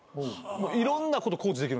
いろんなこと工事できるんすよ